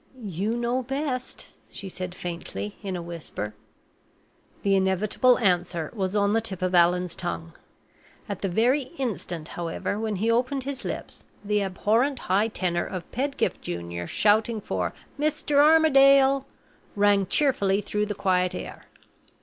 "You know best," she said, faintly, in a whisper. The inevitable answer was on the tip of Allan's tongue. At the very instant, however, when he opened his lips, the abhorrent high tenor of Pedgift Junior, shouting for "Mr. Armadale," rang cheerfully through the quiet air.